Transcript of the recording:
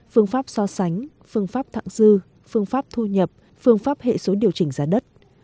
phương pháp so sánh phương pháp thẳng dư phương pháp thu nhập phương pháp hệ số điều chỉnh giá đất